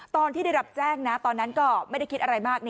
ตอนที่ได้รับแจ้งนะตอนนั้นก็ไม่ได้คิดอะไรมาก